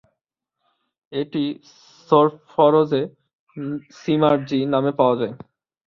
এটি সোর্সফরজে "সিমার্জি" নামে পাওয়া যায়।